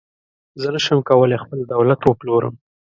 زه نشم کولای خپل دولت وپلورم.